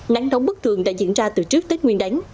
nắng đóng bức thường đã diễn ra từ trước tết nguyên đánh